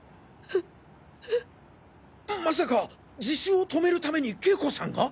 まさか自首を止めるために景子さんが？